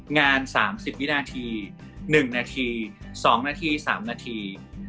งาน๓๐วินาที๑นาที๒นาที๓นาที